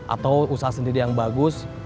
atau usaha sendiri yang bagus